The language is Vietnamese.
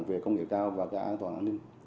về công nghệ cao và cái an toàn an ninh